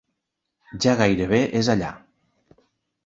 Ja gairebé és allà.